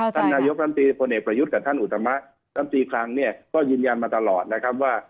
ท่านนายกรรมตรีพลเอกประยุทธ์กับท่านอุตมะลำตีคลังเนี่ยก็ยืนยันมาตลอดนะครับว่า